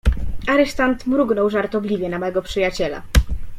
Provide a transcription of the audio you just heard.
"Aresztant mrugnął żartobliwie na mego przyjaciela."